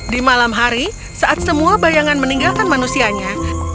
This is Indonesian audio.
di malam hari saat semua bayangan meninggalkan manusianya